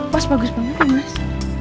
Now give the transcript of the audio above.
pas bagus banget ya mas